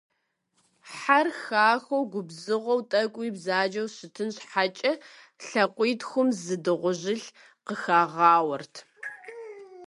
Хьэр хахуэу, губзыгъэу, тӀэкӀуи бзаджэу щытын щхьэкӀэ лӀакъуитхум зэ дыгъужьылъ къыхагъауэрт.